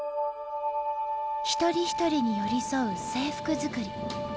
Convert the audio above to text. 一人一人に寄り添う制服作り。